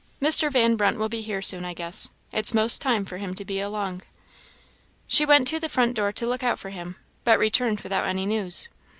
Mr. Van Brunt will be here soon, I guess; it's 'most time for him to be along." She went to the front door to look out for him, but returned without any news.